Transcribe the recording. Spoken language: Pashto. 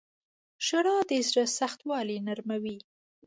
• ژړا د زړه سختوالی نرموي.